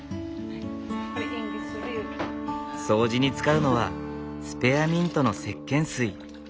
掃除に使うのはスペアミントのせっけん水。